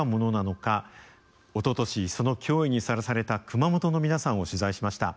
おととしその脅威にさらされた熊本の皆さんを取材しました。